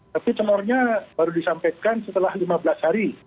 tapi telurnya baru disampaikan setelah lima belas hari